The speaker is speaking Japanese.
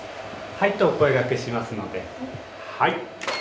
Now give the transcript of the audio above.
はいとお声がけしますのではい。